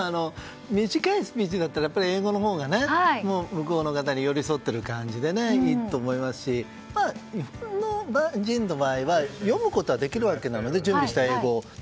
短いスピーチだったら英語のほうが向こうの方に寄り添っている感じでいいと思いますが日本人の場合は読むことはできるわけなので準備した英語を。